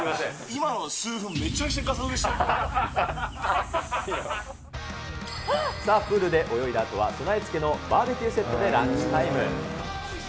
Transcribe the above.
今の数分、さあ、プールで泳いだあとは、備え付けのバーベキューセットでランチタイム。